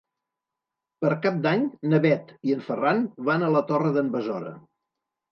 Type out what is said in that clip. Per Cap d'Any na Bet i en Ferran van a la Torre d'en Besora.